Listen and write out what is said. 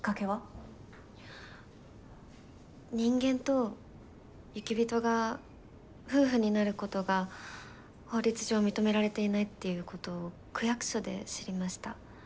人間と雪人が夫婦になることが法律上認められていないっていうことを区役所で知りました。